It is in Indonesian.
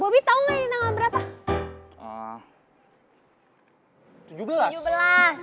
bobby tau gak ini tanggal berapa